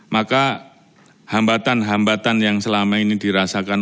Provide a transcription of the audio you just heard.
maka hambatan hambatan yang selama ini dirasakan